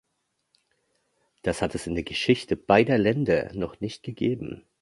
Das hat es in der Geschichte beider Länger noch nicht gegeben.